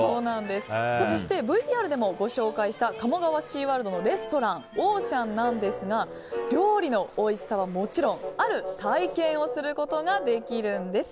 そしてＶＴＲでもご紹介した鴨川シーワールドのレストラン「オーシャン」なんですが料理のおいしさはもちろんある体験をすることができるんです。